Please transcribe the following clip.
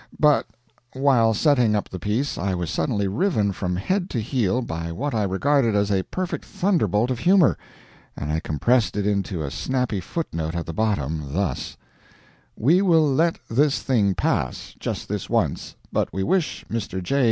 But while setting up the piece I was suddenly riven from head to heel by what I regarded as a perfect thunderbolt of humor, and I compressed it into a snappy footnote at the bottom thus: "We will let this thing pass, just this once; but we wish Mr. J.